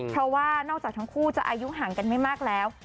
เพราะว่านอกจากทั้งคู่จะอายุห่างกันไม่มากแล้ว